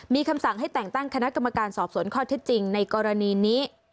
มีคำสั่งให้แต่งตั้งคณะกรรมการสอบสวนข้อเท็จจริงในกรณีนี้